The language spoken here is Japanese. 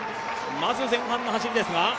まず前半の走りですが。